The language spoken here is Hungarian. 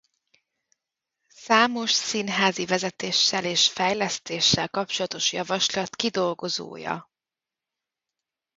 Számos színházi vezetéssel és fejlesztéssel kapcsolatos javaslat kidolgozója.